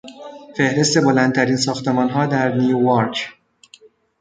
فهرست بلندترین ساختمان ها در نیووارک.